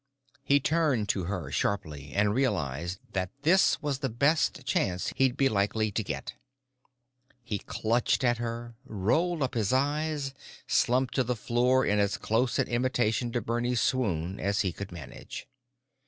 He turned to her sharply, and realized that this was the best chance he'd be likely to get. He clutched at her, rolled up his eyes, slumped to the floor in as close an imitation of Bernie's swoon as he could manage.